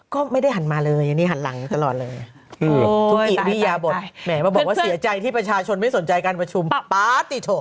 ก็ไม่ได้หันมาเลยอันนี้หันหลังอยู่ตลอดเลยทุกอิริยบทแหมมาบอกว่าเสียใจที่ประชาชนไม่สนใจการประชุมปาร์ตี้โถ